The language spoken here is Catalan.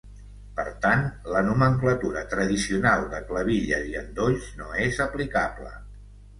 Per tant, la nomenclatura tradicional de clavilles i endolls no és aplicable.